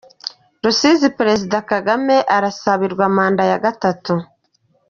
Rusizi Perezida Kagame arasabirwa manda ya Gatatu